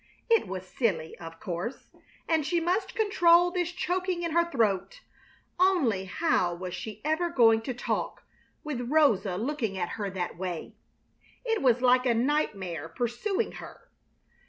It was silly, of course, and she must control this choking in her throat, only how was she ever going to talk, with Rosa looking at her that way? It was like a nightmare pursuing her.